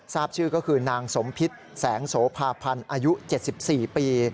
ทราบชื่อก็คือนางสมพิษแสงโสภาพันธ์อายุ๗๔ปี